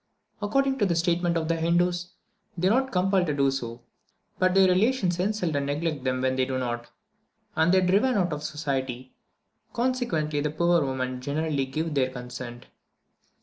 According to the statement of the Hindoos, they are not compelled to do so, but their relations insult and neglect them when they do not, and they are driven out of society; consequently the poor women generally give their free consent.